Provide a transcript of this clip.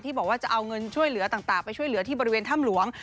บอกว่าจะเอาเงินช่วยเหลือต่างไปช่วยเหลือที่บริเวณถ้ำหลวง